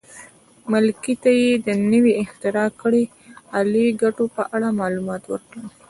ملکې ته یې د نوې اختراع کړې الې ګټو په اړه معلومات ورکړل.